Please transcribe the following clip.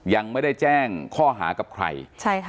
ยังไม่ได้แจ้งข้อหากับใคร